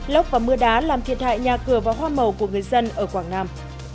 lốc và mưa đá làm thiệt hại nhà cửa và hoa màu của người dân ở quảng nam